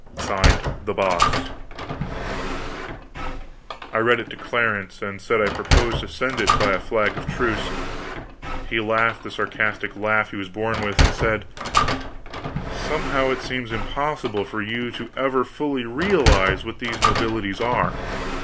(Signed) THE BOSS. I read it to Clarence, and said I proposed to send it by a flag of truce. He laughed the sarcastic laugh he was born with, and said: "Somehow it seems impossible for you to ever fully realize what these nobilities are.